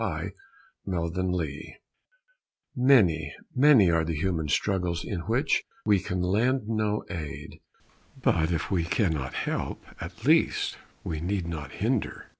_ IT MAY BE Many, many are the human struggles in which we can lend no aid. But if we cannot help, at least we need not hinder.